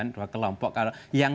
dua kelompok yang